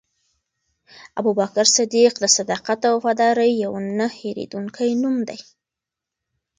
ابوبکر صدیق د صداقت او وفادارۍ یو نه هېرېدونکی نوم دی.